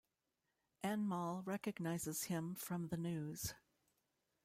Anmol recognizes him from the news.